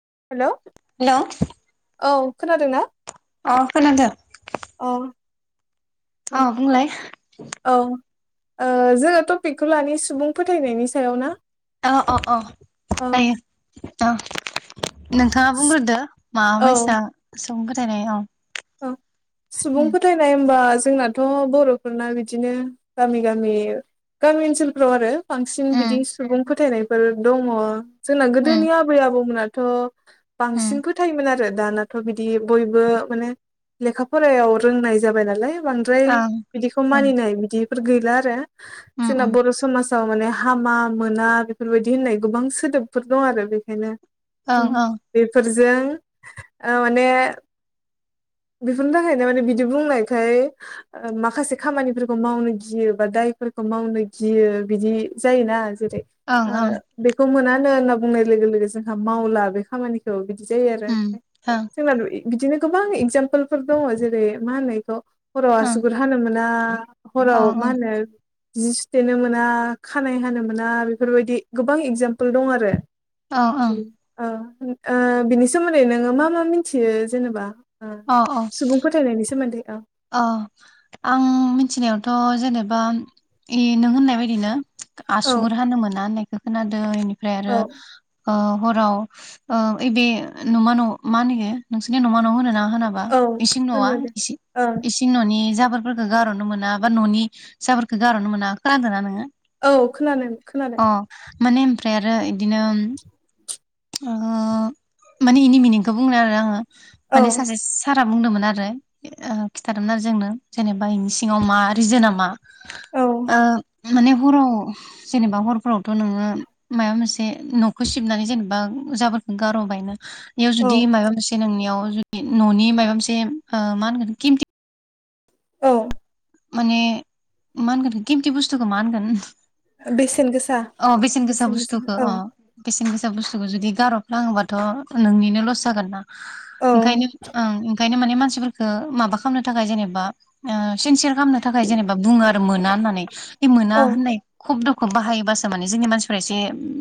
[unintelligible] हेल औ खोनादों ना? अ खोनादों औ अ बुंलाय औ जोङो टपिकखौ लनि सुबुं फोथायनायनि सायाव ना अ अ अ औ जायो अ नोंथाङा बुंग्रोदो मा औ मायसा [unintelligible] सुबुं फोथायनाय होमबा जोंनाथ बरफोरना बिदिनो गामि गामि गामि ओनसोलफ्राव आरो बांसिन बिदि उम सुबुं फोथायनाय फोर दङ जोंना उम गोदोनि आबै आबौमोना थ बांसिन उम फोथायायोमोन आरो दानाथ बिदि बयबो माने लेखा फरायायाव रोंनाय जाबाय नालाय बांद्राय ओं बिदिखौ ओं मानिनाय बिदि फोर गैला आरो उम जोंना उम बर समाज फाव माने हामा मोना बेफोरबायदि होननाय गोबां सोदोबफोर दं आरो बेखायनो ओं उम ओं बेफोर जों माने। बेफोरनि थाखायनो माने बिदि बुंनायखाय माखासे खामानिफोरखौ मावनो गियो बा दायफोरखौ मावनो गियो बिदि जायोना। जेरै ओं ओ ओं बेखौ मोनानो बुंनाय लोगो लोगो जोंहा मावला बे खामानिखौ बि। बिदि जायो आरो उम ओं जोंना बिदिनो। गोबां एजाम। फोलफोर दङ जेरै मा होननायखौ। हराव आसुगुर हानो मोना। ओं। हर माहोनो। जि सुथेनो मोना खानायाइ हानो मोना बेफोरबायदि गोबां एगजामपोल दं आरो। अ ओं अ उम औ। ओ बिनि सोमोन्दै नोङो मा मा मिथियो जेनेबा। सुबुं फोथायनायनि सोमोन्दै। औ आं मिथिनायावथ जेनेबा ए नों होननाय बायदिनो। औ आसगुर हानो मोनानै। दखोनादों। ओमफ्राय औ आरो। ओ हराव ओ ओबे नम न मा होनयो नोंसोरनि नमान होनोना। होनाबा औ इसिं नवा होननो दे ओं इसे। ननि जाफोरफोरखौ गारहनो मोना बा ननि जाफोरखौ गारहनो मोना खोनादों ना नोङो। औ खोनादों खोनादों। अ माने ओमफ्राय आरो। बिदिनो। ओ माने इनि मिनिंखौ बुंनो आरो आङो। औ माने सासे सारा। बुंदोंमोन आरो ओ खिथादोंमोन आरो जोंनो जेनेबा इनि सिङाव मा रिजोन मा। औ। ओ माने हराव जेनेबा हरफोरावथ नोङो माबा मोनसे नखौ सिबनानै जेनेबा। बा जाबोरफोरखौ गारबायनो बेयाव औ जुदि माबा मोनसे नोंनियाव जुदि ननि माबा मोनसे मा होनगोन खिमथि। औ। माने मानगोन केमित बुस्थुखौ मा होनगोन। बेसेन गोसा अ बेसेन गोसा बुस्थुखौ अ बेसेन गोसा। बेसेन गोसा बुस्थुखौ जदि गारहफ्लाङोबाथ नोंनिनो लस जागोन ना। औ ओंखायनो ओं। ओंखायनो माने मानसिफोरफोरखौ माबा खालामनो थाखाय जेनेबा ओ सिनसियार खालामनो थाखाय जेनेबा बुङो आरो मोना होननानै। मोना औ होननाय खब्दखौ बाहायोबासो माने जोंनि मानसिफ्रा एसे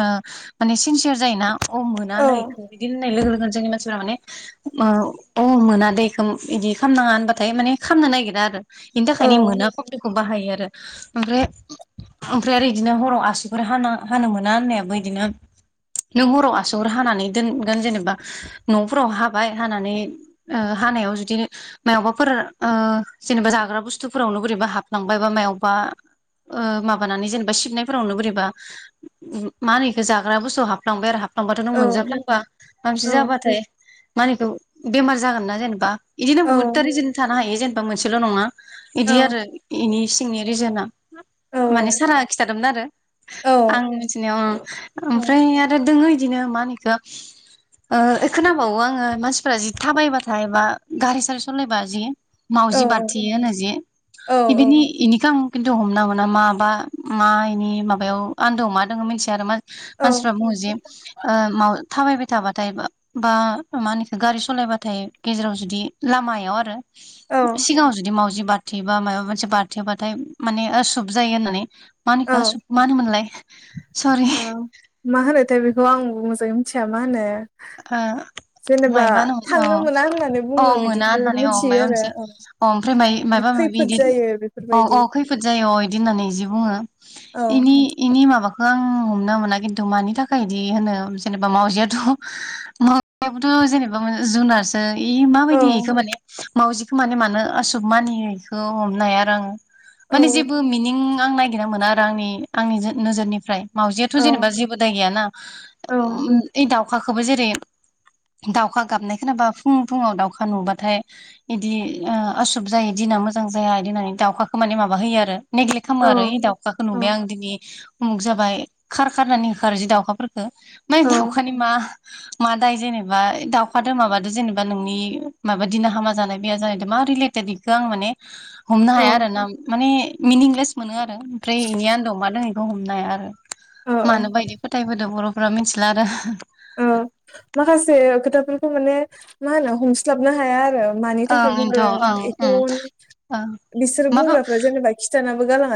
माने सिनसियार जायोना। अ मोना न औ इखौ बिदि होननाय लोगो लोगो जोंनि मानसिफोरा माने औ मोना दे इखौ इदि खालामनाङा होनबाथाय माने खालामनो नागिरा आरो। बेनि थाखायनो औ मोना खब्दखौ बाहायो आरो ओमफ्राय ओमफ्राय आरो बिदिनो हराव आसिगुर हाना हानो मोना होननायाबो बिदिनो नों हराव आसिगुर हानानै दोनगोन जेनेबा नफोराव हाबाय हानानै ओ हानायाव जुदि मायावबाफोर ओ जेनेबा जाग्रा बुस्थुफोरावनो बोरैबा हाबफ्लाबाय बा मायावबा ओ माबानानै जेनेबा सिबनायफोरावनो बोरैबा मा होनो बिखो जाग्रा बुस्थु हाबलांबाय आरो हाब फ्लांब्लाथ नों औ मोनजाफ्लांबा माब औ मोनसे जाबाथाय मा होनो बिखौ बेमार जागोन ना जेनेबा बिदिनो औ बुहुत्तारिजन थानो हायो जेने बा मोनसेल नङा। औ इदि आरो इनि सिंनि रिजोना। औ माने सारा खिथादोंमोन आरो औ आं मिथिनायाव औ ओमफ्राय आरो दोङो बिदिनो मा होनो इखौ ओ खोनाबावो आङो मानसिफोरा जि थाबायबाथाय बा गारि सारि सालायबा जि मावजि बाथ थेयो होनो जे औ इदिनि इनिखो आं खिन्थु हमना मोना माबा मा इनि माबायाव आन्दोआव मा दोङो मिथिया आरो मा मानसिफ्रा बुङो जे ओ माव थाबायबाय थाबाथाय बा बा मा होनोएखो गारि सलायबाथाय गेजेराव जुदि लामायाव आरो औ सिगांआव मावजि बारथेबा माबा मोनसे बारथेबाथाय माने ओ सुब जायो होननानै। औ मानिखा सुद मा होनोमोनलाय सरि। औ मा होनोथाय बेखौ आंबो मोजाङै मिथिया मा होनो। ओ जेनेबा माइबा होनोमोन न थांनो मोना होननानै औ बुङो अ मोना बिदिखौ होननानै औ मिथियो माइबा आरो मोनसे औ अ ओमफ्राय माइ माइबा माइबि खैफोद इदि जायो अ बेफोरबायदि अ खैफोद जायो अ इदि होननानै जि बुङो। औ इनि इ नि माबाखौ आं हमना मोना खिन्थु मानि थाखाय इदि होनो जेनेबा मावजियाथ मावजियाबोथ जेनेबा जुनारसो। इयो औ माबायदि हैखो माने मावजिखौ माने मानो असुब मानियो इखौ हमनो हाया आरो आङो। औ माने जेबो मिनिं आं नायगिरना मोनाआ आंनि आंनि जो नोजोरनिफ्राय मावजियाथ औ जेनेबा जेबो दाय गैयाना औ दाउ दाउखाखोबो जेरै दाउखा गाबनाय खोनाबा फुं फुंङाव दाउखा नुबाथाय बिदि आ आसुुब जायो दिना मोजां जाया बिदि होननानै दाउखाखौ माने माबा होयो आरो। नेग्लेक्ट खामो औ आरो दाउखाखौ औ नुबाय आं दिनि मुख जाबाय खार-खारहोनानै होखारोजि दाउखाफोरखौ मा इ दाउखानि मा मादाय जेनेबा दाउखादो माबादो जेनेबा नोंनि माबा दिना हामा जानाय बेैया जानायद मा रिलेटेद बेखौ आं माने हमनो औ हाया आरोना माने मिनिंलेस मोनो आ रो ओमफ्राय इनि आन्दआव मा दों इखो हमनो हाया आरो। औ औ मानो बायदि फोथायबोदों बर' मिथिला आरो। औ माखासे खोथाफोरखौ माने मा होनो हमस्लाबनो हाया आरो। मानि थाखाय ओं इनोथ' बुंदों ओं एखौ ओं ओं बिसोर माबा बुंग्राफ्रा जेनेबा खिथाना नाबो गालां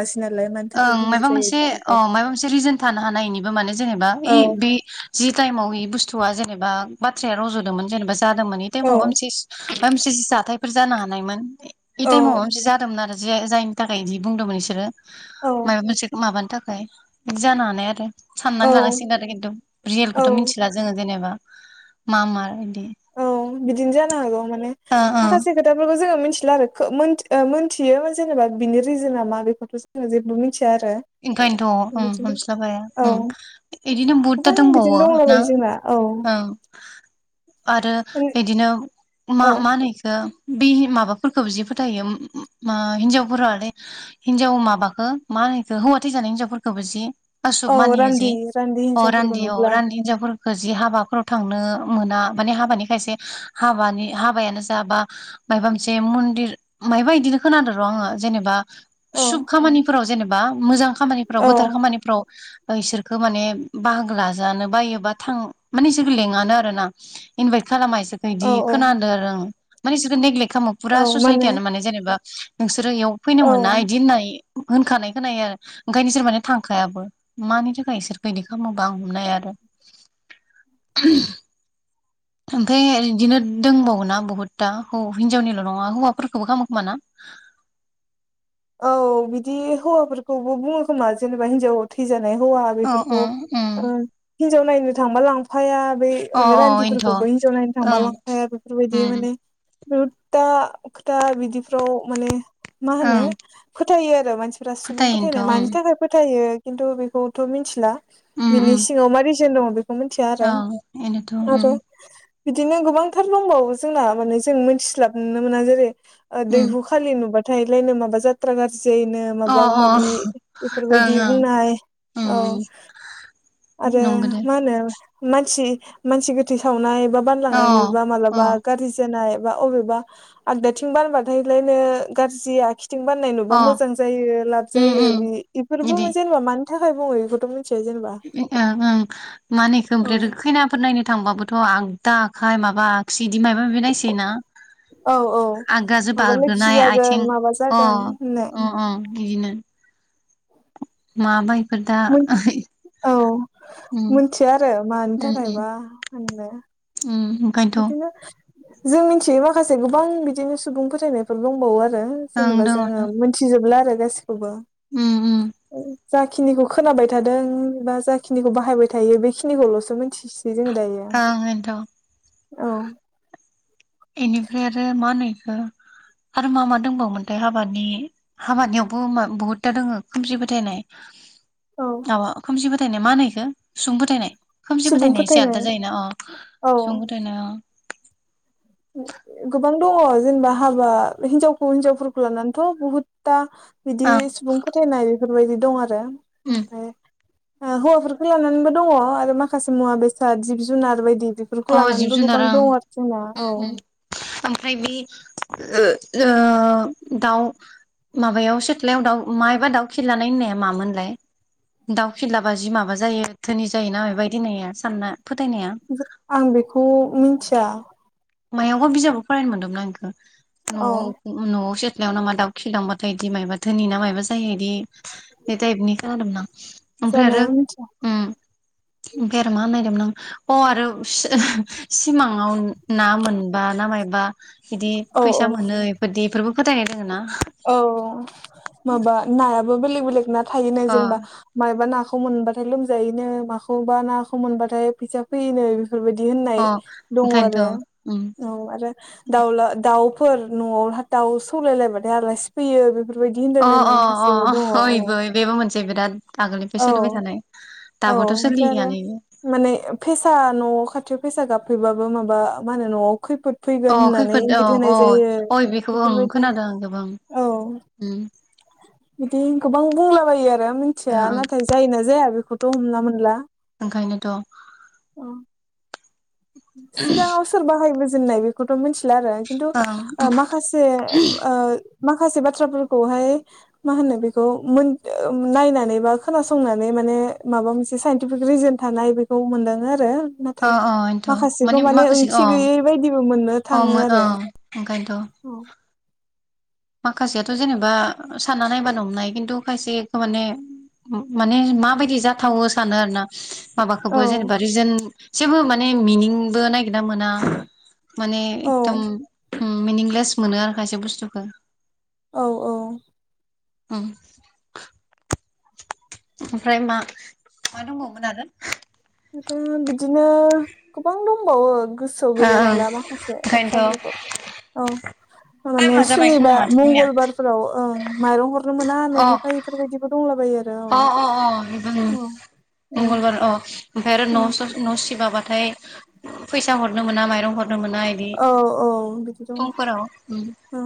ओं मायबा मोनसे ओं मायबा मोनसे रिजोन थानो हानाय इनिबो माने जेनेबा औ इ बि जि टाइमाव इ बुस थुआ जेनेब बाथ्राया रजदोंमोन जेनेबा जादोंमोन इ टाइमाव माबा औ मोनसे माबा मोनसे जाथाय फोर जानो हानायमोन इ औ टाइमाव माबा मोनसे जादोंमोन आरो। जि जायनि थाखाय इदि बुंदोंमोन इसोरो। औ मायबा मोनसेखो माबानो था खाय बिदि जानो हानाय आरो। औ साननानै लानांसिगोन आरो खिन्थु रियेलखौथ औ मिथिला जोंङो जेनेबा। मामार इदि औ बिदिनो जानो हागौ माने ओ ओ माखासे खोथाफोरखौ जोंङो मि थिलाआरो खो मोनथि ओ मोनथियो जेनेबा बिनि रिजोना मा बेखौथ जोंङो जेबो मि ओंखायनोथ अम हमस्लाबहाया औ अम इदिनो गोबां बुहुदटा बिदिनो दंबावो दंलाबायो ना जोंना औ ओं आरो माने बिदिनो मा औ मा होनो इखो बे माबाफोरखौबो जि फोथायो मा हिनजावफोरालै हिनजाव माबाखौ मा होनो इखो हौवा थैजानाय हिनजावफोरखौबो जि आसुुब औ मानियो जि रान्दि रान्दि अ हिनजावफोरखौ रान्दि अ नुब्ला रान्दि हिन्जावफोरखौ जि हाबाफोराव थांनो मोना माने हाबानि खायसे हाबानि-हाबायानो जा बा मायबा मोनसे मन्दिर मायबा इदिनो खोनादों र आंङो जेनेबा औ सुभ खामानिफोराव जेनेब बा मोजां खामानिफ्राव औ गोथार खामानिफ्राव इसोरखो माने बाहागो लाजानो बायो बा थां माने इसोरखो लिङानो आरो ना इनभाइट खालामा इ इदि औ औ खोनादो आरो आं माने इसोरखो नेगलेक खामो फुरा ससाइटियानो माने जेनेबा रो बेयाव फैनो मोना औ इदि होननाय होनखानाय खोनायो आरो ओंखायनो इसोर माने थांखायाबो मानि थाखाय बिसोरखो इदि खालामोबा आं हमनो हाया आरो ओमफ्राय इदिनो दोंबावोना बुहुद टा हौ-हिनजावनिल नङा हौवाफोरखौबो खामोखोमाना? औ बिदि हौवाफोरखौबो बुङो खोमा जेनेबा हिनजाव थैजा हौवा अ बेफोरखौ अ उम ओ हिजाव नायनो थांबा लां फाया बै अ अ इनोथ' रान्दिफोरखौबो हिनजाव नायनो थांबा ओं लांफाया बेफोरबायदि उम माने रु ता खोथा बिदिफ्राव माने मा हानो ओं फोथायो आरो मानसि फोरा सुबुं फोथायोनोथ' फोथायनाय ओं मानि थाखाय फोथायो खिन्थु बेखौथ मिथिला उम बिनि उम सिङाव मारै जोन दं मिथिया आरो ओं इनोथ' आरो उम बिदिनो गोबांथार दंबावो जोंना माने जों मिथिस्लाबनो मोना जेरै उम दैहु खालि नुबा थालाइनो माबा जा [unintelligible] जेनो अ माबा माबि बेफोरबायदि ओं ओं बुंनाय औ उम उम आरो नंगो दे मा होनो मानसि मानसि गोथै सावनाय बा अ बानलांनाय नुयोबा मालाबा गाज्रि जानाय बा अबेबा आगदाथि बारोबा थायलायनो गाज्रि आगसि बाननाय नुबा अ मोजां जायो लाब उम उम जायोबो इफोरबो इदि जेनेबा म नि थाखाय बुङो बेखौथ' मिथिया जेनेबा ओं ओं मानो इखो औ ओमफ्राय खैनाफोर नायनो थांबाबोथ आं दा आखाय माबा आगसि बिदि मायबा माबि नायसै ना औ औ माबा लोखि जागोन आथिं माबा अ जागोन होननाय। बिदिनो। मा बाय मोन औ उम मोनथिया आरो मानि उम उम थाखायबा [inaudible] उम ओंखायनोथ' ओं बिदिनो जों मिथियै माखासे गोबां बिदिनो सुबुं फोथायनायफोर दंबावो आरो दङ जेनेबा दा उम जोङो मोनथिजोबला आरो। दास अबा उम ओं जाखिनिखौ खोनाबाय थादों बा जाखिनिखौ बाहायबाय थायो बेखिनिखौलसो मिथिसै बेजों दायो। ओंखायनोथ' औ। बेनिफ्राय आरो मा होनो इखौ आरो मा मा दंबावोमथाय हाबानि हाबानियावबो बहुद था दङो खोमसि फोथायनाय। औ आ खोमसि फो फोथायनाय मा होनो इखो सुबुं फोथायनाय खोमसि सुबुं फोथायनाया एसे फोथायनाय आलदा जायोना अ औ सुबुं फोथायनाया गोबां दङ जेनेबा हाबा हिनजावखौ हिनजावफोरखौ लानानैथ बहुदथा । बिदि अ ओं सुबुं फोथायनाय। बेफोरबायदि दं आरो। उम [unintelligible] ओमफाय हौवाफोरखौ लानानैबो दङ आरो माखासे मुवा बेसाद जिब जुनार बायदि बेफोरखौ अ जिब लानानैबो जुनार गोबां दं आरो जोंना। ओं ओमफ्राय बि ओ ओ दाउ माबायाव सिथ्लायाव दाउ मायबा दाउ खिलानाय होननाया मामोनलाय दाउ खिलाबा जि माबा जायो धोनि जायो ना बेबायदि होननाया सानना फोथायनाया आं बे खौ मोनथिया। मायावबा बिजाबाव फरायनो मोनदोंमोन आं इखौ औ नआव नआवसो सिथलायाव ना मा दाउ खिलांबाथाय दि मायबा धोनि मायबा जायो इदि बे टाइपनि खोनादों ना ओमफ्राय जानो आरो मिथिया ओम बेरेमा नायदोंमोन आं अ आरो सि ओह सिमाङाव ना मोनबा ना मायबा बिदि औ फैसा मोनो इफोरदि इफोरबो फोथायनाय दोङो ना औ माबा नायाब बो बेलग बेलग ना थायोनो अ जेनेबा मायबा नाखौ मोनबाथाय लोमजायोनो माखौबा नाखौ मोनबाथाय फैसा फैयोनो बेफोरबायदि होननाय अ दङ आरो ओंखायनोथ' उम आरो दाउला दाउ फोर न'आव हा दाउ सौलायलायबा आलासि फैयो बेफोर अ अ अ इबो बेबो मोनसे बिराद आगोलनिफ्राय सोलिबाय औ थानाय । औ ओमफ्राय आरो माने फेसा न'आव खाथियाव फेसा फेसा गाबफैबाबो माबा मा होनो न'आव खैफोद अ फैगोन होननानै खैफोद अ इंगित होनाय अ जायो अ इ बेखौबो आं बेफोरबायदि खोनादों गोबां औ उम्म। बिदि गोबां बुंलाबायो आरो ओ मिथिया ओं नाथाय जायोना जाया बे थ हमना मोनला ओंखायनोथ' सिगांआव सोर बाहायबो जेनाय बेखौ मोन ला आरो खिन्थु माखासे ओ माखासे बाथ्राफोरखौहाय मा होनो बेखौ मोन ओ नायनानै बा खोनासंनानै माने माबा मोनसे साइन्टिफिक रिजोन थानाय बेखौ मोनदाङो आरो । अ अ इनोथ' माखासेखौ माने माखासे अ ओंथि गैयै बायदिबो मोननो अ थाङो मो आरो । ओं [unintelligible] माखासेयाथ जेनेबा सानना नायबानो हमनाय खिन्थु खायसेखो माने माने माबायदि जाथावो सानो आरो ना । औ माबाखौबो जेनेबा रिजोन जेबो माने मिनिंबो नागिरना मोना । माने एकदम उम्म मिनिंलेस मोनो आरो खायसे बुस्थुखो औ औ उम्म ओमफ्राय मा मा दंबावमोन आरो? ओ आरो बिदिनो गोबां दं [unintelligible] गोसोआव ओ ओं बेेलायलांला माखासे ओंखायनोथ' बाथ्राफोरखौ औ माने टाइमा जाबाय खोमा सुनिबा माथो जोंनिया मंगलबारफोराव ओं माइरं हरनो मोना अ ननिफ्राय बेफोरबायदिबो दंलाबायो आरो अ अ दङ औ औ मंगलबार अ ओमफफ्राय आरो न न सिबाबाथाय फैसा हरनो मोना माइरं हरनो मोना बिदि औ औ बिदि दङ फुंफोराव उम औ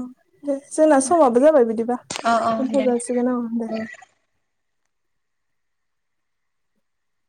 दे जोंना समाबो जाबाय बिदिबा औ औ दोनथ दे जासिगोन औ दे उम